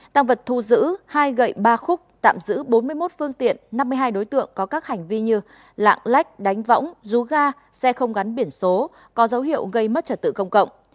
tăng vật thu giữ hai gậy ba khúc tạm giữ bốn mươi một phương tiện năm mươi hai đối tượng có các hành vi như lạng lách đánh võng rú ga xe không gắn biển số có dấu hiệu gây mất trật tự công cộng